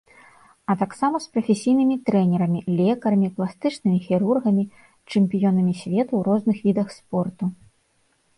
А таксама з прафесійнымі трэнерамі, лекарамі, пластычнымі хірургамі, чэмпіёнамі свету ў розных відах спорту.